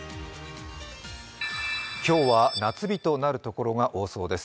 今日は夏日となる所が多そうです。